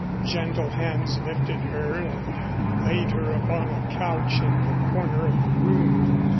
Gentle hands lifted her and laid her upon a couch in the corner of the room.